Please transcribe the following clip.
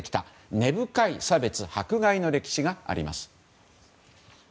根深い差別・迫害の歴史があります。